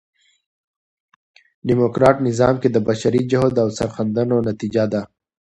ډيموکراټ نظام کښي د بشري جهد او سرښندنو نتیجه ده.